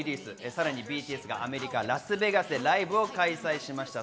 さらにＢＴＳがアメリカ・ラスベガスでライブを開催しました。